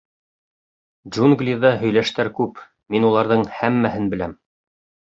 — Джунглиҙа һөйләштәр күп, мин уларҙың һәммәһен беләм.